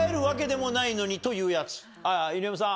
犬山さん。